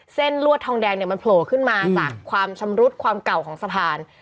ลวดทองแดงเนี่ยมันโผล่ขึ้นมาจากความชำรุดความเก่าของสะพาน